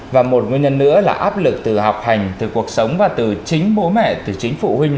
và một nguyên nhân nữa là áp lực từ học hành từ cuộc sống và từ chính bố mẹ từ chính phụ huynh